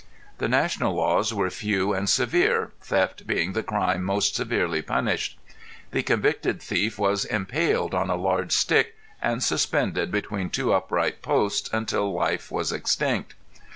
The national laws were few and severe, theft being the crime most severely punished. The convicted thief was impaled on a large stick and suspended between two upright posts until life was extinct.